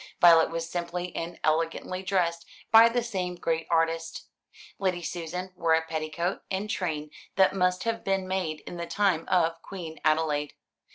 Violet was simply and elegantly dressed by the same great artist. Lady Susan wore a petticoat and train that must have been made in the time of Queen Adelaide.